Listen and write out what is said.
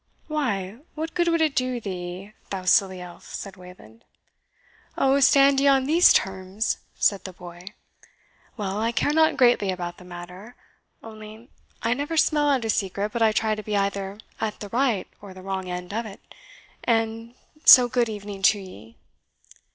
"Why, what good would it do thee, thou silly elf?" said Wayland. "Oh, stand ye on these terms?" said the boy. "Well, I care not greatly about the matter only, I never smell out a secret but I try to be either at the right or the wrong end of it, and so good evening to ye."